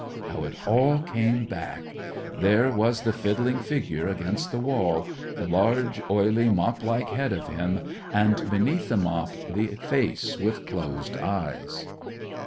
How it all came back! There was the fiddling figure against the wall; the large, oily, mop like head of him, and beneath the mop the face with closed eyes.